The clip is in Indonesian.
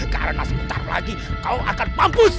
karena sebentar lagi kau akan mampus